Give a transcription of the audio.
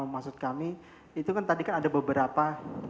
maksud kami itu kan tadi kan ada beberapa